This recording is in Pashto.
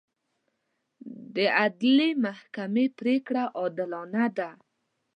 د عدلي محکمې پرېکړې عادلانه دي.